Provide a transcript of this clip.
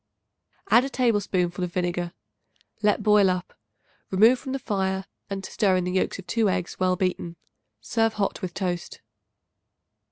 Add a tablespoonful of vinegar. Let boil up; remove from the fire and stir in the yolks of 2 eggs well beaten. Serve hot with toast.